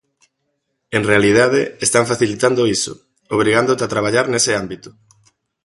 En realidade, están facilitando iso, obrigándote a traballar nese ámbito.